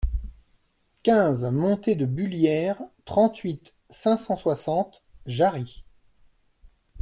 quinze montée de Bullières, trente-huit, cinq cent soixante, Jarrie